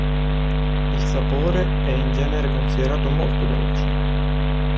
Il sapore è in genere considerato molto dolce.